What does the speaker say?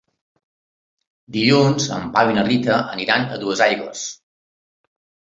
Dilluns en Pau i na Rita aniran a Duesaigües.